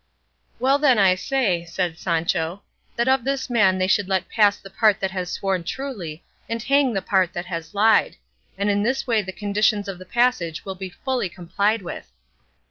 "Well then I say," said Sancho, "that of this man they should let pass the part that has sworn truly, and hang the part that has lied; and in this way the conditions of the passage will be fully complied with."